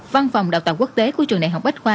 văn phòng đào tạo quốc tế của trường đại học bách khoa